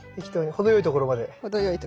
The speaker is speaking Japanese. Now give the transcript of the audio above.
程よいとこまで。